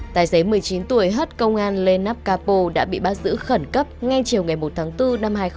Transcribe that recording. tài xế một mươi chín tuổi hất công an lên nắp capo đã bị bắt giữ khẩn cấp ngay chiều ngày một tháng bốn năm hai nghìn hai mươi bốn